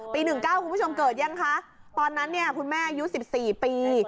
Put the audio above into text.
๑๙คุณผู้ชมเกิดยังคะตอนนั้นเนี่ยคุณแม่อายุ๑๔ปี